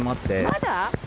まだ？